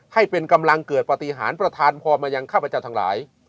ให้เป็นกำลังเกิดปฏิหารประธานพรมายังข้าพเจ้าทั้งหลาย